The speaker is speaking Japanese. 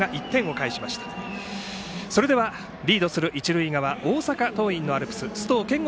それではリードする一塁側大阪桐蔭のアルプス須藤健吾